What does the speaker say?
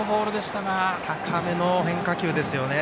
高めの変化球ですよね。